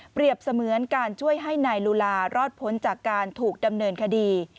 เสมือนการช่วยให้นายลูลารอดพ้นจากการถูกดำเนินคดี